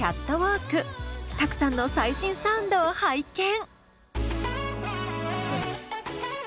☆Ｔａｋｕさんの最新サウンドを拝見。